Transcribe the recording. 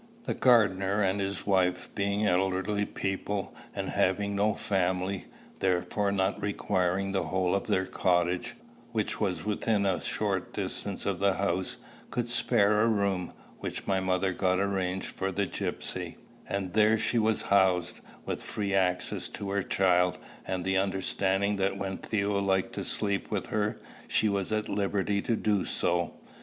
The gardener and his wife being elderly people, and having no family, therefore not requiring the whole of their cottage, which was within a short distance of the house, could spare a room, which my mother got arranged for the gypsy; and there she was housed, with free access to her child, and the understanding that when Theo liked to sleep with her, she was at liberty to do so.